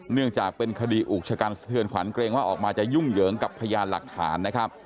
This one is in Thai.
เนื่องจากเป็นคดีอุกชะกันสะเทือนขวัญเกรงว่าออกมาจะยุ่งเหยิงกับพยานหลักฐานนะครับ